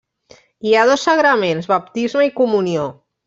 Hi ha dos sagraments: baptisme i comunió.